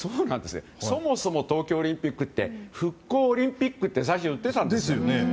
そもそも東京オリンピックって復興オリンピックって最初、言ってたんですよ。